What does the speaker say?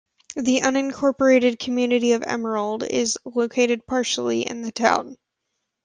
The unincorporated community of Emerald is located partially in the town.